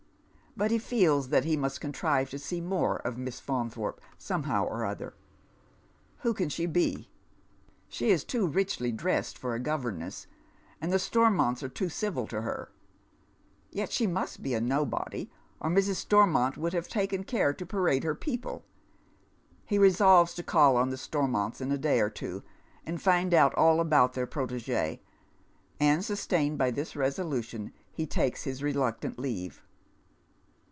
But he feels that he must contrive to see more of Miss Faan thorpe somehow or other. Who can she be? She is too rici'y dressed for a governess, and the Stormonts are too civil to ha •, Yet she must be a nobody, or Mrs. Stormont would have taktv., caro to parade her people. He resolves to call on the Stormontc in a day or two, and find out all about their protegie ; and sustained by this resolution, he takes his reluctant leave.